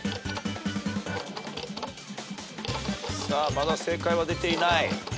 まだ正解は出ていない。